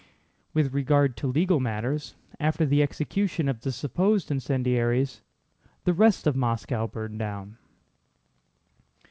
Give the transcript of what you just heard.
With regard to legal matters, after the execution of the supposed incendiaries the rest of Moscow burned down.